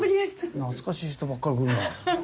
懐かしい人ばっかり来るなあ。